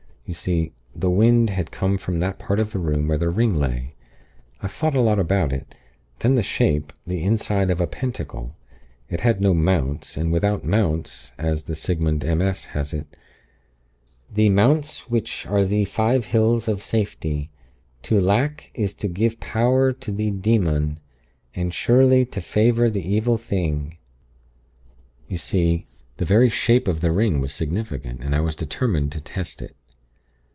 You see, the wind had come from that part of the room where the ring lay. I thought a lot about it. Then the shape the inside of a pentacle. It had no 'mounts,' and without mounts, as the Sigsand MS. has it: 'Thee mownts wych are thee Five Hills of safetie. To lack is to gyve pow'r to thee daemon; and surelie to fayvor the Evill Thynge.' You see, the very shape of the ring was significant; and I determined to test it.